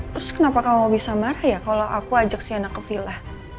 terus terus kenapa kamu bisa marah ya kalau aku ajak sienna ke villa